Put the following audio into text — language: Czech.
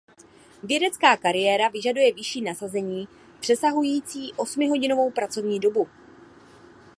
Vědecká kariéra vyžaduje vyšší nasazení přesahující osmihodinovou pracovní dobu.